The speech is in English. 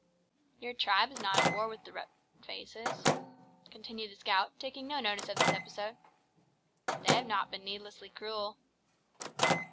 "Your tribe is not at war with the pale faces," continued the scout, taking no notice of this episode. "They have been needlessly cruel."